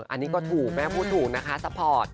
อันนี้ก็ถูกแม่พูดถูกนะคะซัพพอร์ต